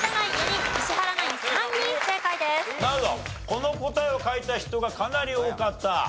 この答えを書いた人がかなり多かった。